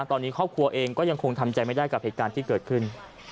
ตอนนี้ครอบครัวเองก็ยังคงทำใจไม่ได้กับเหตุการณ์ที่เกิดขึ้น